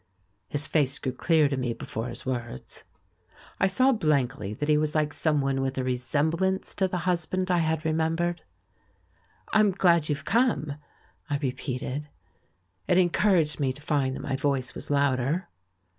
His face grew clear to me before his words. I saw blankly that he was like someone with a re semblance to the husband I had remembered. "I'm glad you've come," I repeated. It encour aged me to find that my voice was louder.